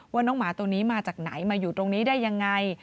ว่าน้องหมาตัวนี้มาจากไหนมาอยู่ตรงนี้ได้ยังไง